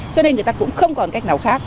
cho nên người ta cũng không còn cách nào khác